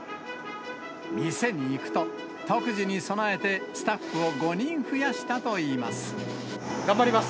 店に行くと、特需に備えて、スタッフを５人増やしたといいます。